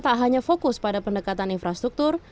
tak hanya fokus pada pendekatan infrastruktur